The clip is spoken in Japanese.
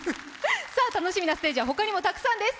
楽しみなステージは他にもたくさんです。